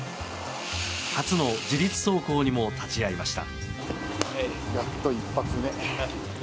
初の自立走行にも立ち会いました。